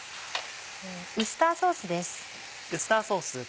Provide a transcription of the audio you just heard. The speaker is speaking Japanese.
ウスターソースです。